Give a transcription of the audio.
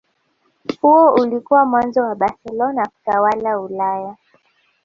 Huo ulikuwa mwanzo wa Barcelona kutawala Ulaya